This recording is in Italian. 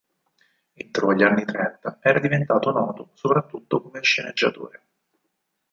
Entro gli anni trenta era diventato noto soprattutto come sceneggiatore.